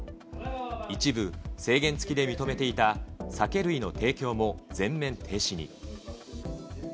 一部、制限付きで認めていた酒類の提供も、全面停止に。